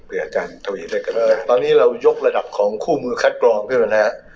พี่อาจารย์ทะวิทย์ได้กับเราตอนนี้เรายกระดับของคู่มือคัดกรองขึ้นมานะฮะ